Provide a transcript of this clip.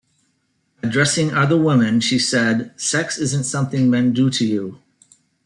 Addressing other women, she said, Sex isn't something men do to you.